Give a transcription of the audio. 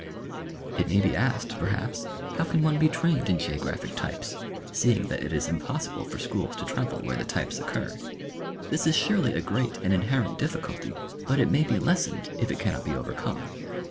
It may be asked perhaps how can one be trained in geographic types, seeing that it is impossible for schools to travel where the types occur. This is surely a great and inherent difficulty, but it may be lessened if it cannot be overcome.